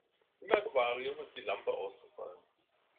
Im Aquarium ist die Lampe ausgefallen.